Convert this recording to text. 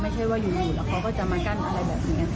ไม่ใช่ว่าอยู่แล้วเขาก็จะมากั้นอะไรแบบนี้